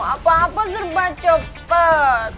apa apa serba cepet